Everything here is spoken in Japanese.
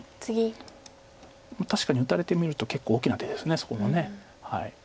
確かに打たれてみると結構大きな手ですそこも。